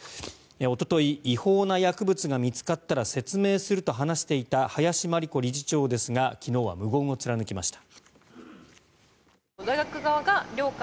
おととい、違法な薬物が見つかったら説明すると話していた林真理子理事長ですが昨日は無言を貫きました。